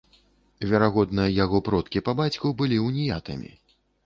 Верагодна, яго продкі па бацьку былі уніятамі.